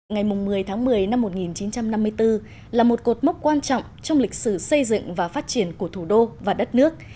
ngày một mươi tháng một mươi năm một nghìn chín trăm năm mươi bốn là một cột mốc quan trọng trong lịch sử xây dựng và phát triển của thủ đô và đất nước